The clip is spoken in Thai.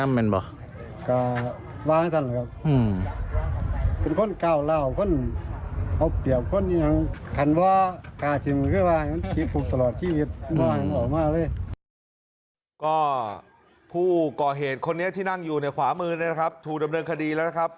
มั้ยเล็นยาเล็นเอังนั้นแบบวะ